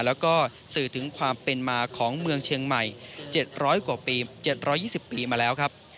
แล้วก็สื่อถึงความเป็นมาของเมืองเชียงใหม่๗๐๐กว่าปี๗๒๐ปีมาแล้วครับ